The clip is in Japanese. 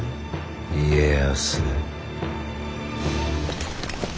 家康。